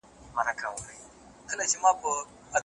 له صبر کار واخله چي هره ستونزي ورو ورو ختمه سي او ارامي راشي .